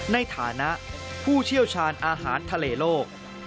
ในฐานะผู้เชี่ยวชาญอาหารทะเลโลก